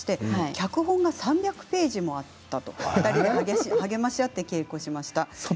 脚本が３００ページもあり２人で励まし合ってお稽古しました。